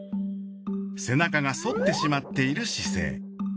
背中が反ってしまっている姿勢。